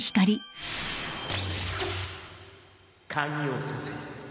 ・鍵を挿せ。